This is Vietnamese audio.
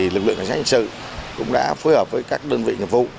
lực lượng cảnh sát hình sự cũng đã phối hợp với các đơn vị nghiệp vụ